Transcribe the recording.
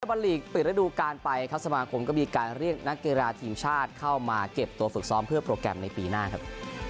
บอลลีกปิดระดูการไปครับสมาคมก็มีการเรียกนักกีฬาทีมชาติเข้ามาเก็บตัวฝึกซ้อมเพื่อโปรแกรมในปีหน้าครับ